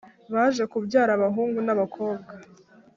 baje kubyara abahungu n’abakobwa,